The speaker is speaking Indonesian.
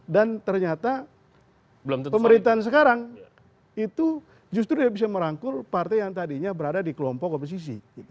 dan ternyata pemerintahan sekarang itu justru tidak bisa merangkul partai yang tadinya berada di kelompok oposisi